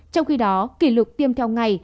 trong khi đó kỷ lục tiêm theo ngày